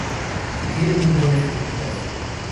Tiene muy buenas criticas.